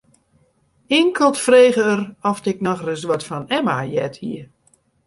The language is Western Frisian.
Inkeld frege er oft ik noch ris wat fan Emma heard hie.